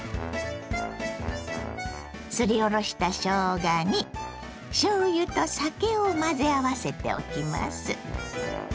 すりおろしたしょうがにしょうゆと酒を混ぜ合わせておきます。